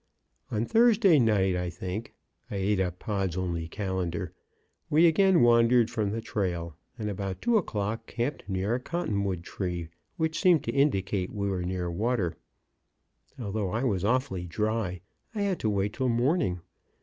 On Thursday night, I think (I ate up Pod's only calendar), we again wandered from the trail, and about two o'clock camped near a cottonwood tree which seemed to indicate we were near water. Although I was awfully dry, I had to wait till morning.